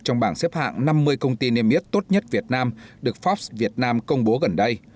trong bảng xếp hạng năm mươi công ty niêm yết tốt nhất việt nam được forbes việt nam công bố gần đây